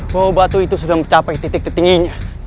bahwa batu itu sudah mencapai titik tertingginya